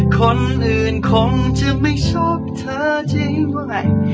คนอื่นคงจะไม่ชอบเธอจริงว่าไง